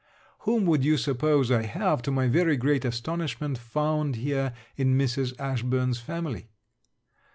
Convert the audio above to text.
Whom would you suppose I have, to my very great astonishment, found here, in Mrs. Ashburn's family?